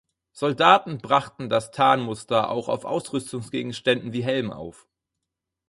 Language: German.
Soldaten brachten das Tarnmuster auch auf Ausrüstungsgegenständen wie Helmen auf.